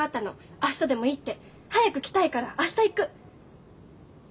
明日でもいいって。早く着たいから明日行く。